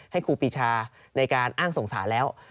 ครูปีชาในการอ้างสงสารแล้ว